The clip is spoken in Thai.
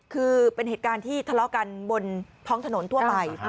คือเป็นเหตุการณ์ที่ทะเลาะกันบนท้องถนนทั่วไป